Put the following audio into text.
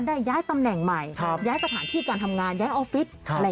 ได้ย้ายตำแหน่งใหม่ย้ายสถานที่การทำงานย้ายออฟฟิศ